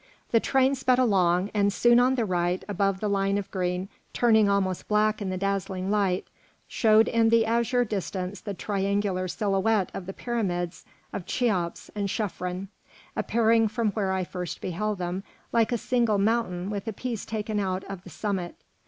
The train sped along, and soon on the right, above the line of green, turning almost black in the dazzling light, showed in the azure distance the triangular silhouette of the pyramids of Cheops and Chephren, appearing, from where I first beheld them, like a single mountain with a piece taken out of the summit.